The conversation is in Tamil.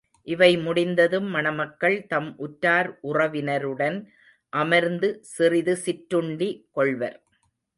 இவை முடிந்ததும் மணமக்கள் தம் உற்றார் உறவினருடன் அமர்ந்து சிறிது சிற்றுண்டி கொள்வர்.